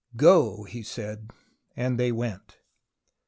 " Go," he said, and they went.